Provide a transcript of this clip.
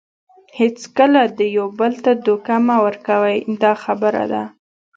هیڅکله یو بل ته دوکه مه ورکوئ دا خبره ده.